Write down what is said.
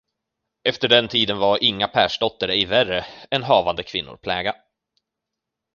Efter den tiden var Inga Persdotter ej värre, än havande kvinnor pläga.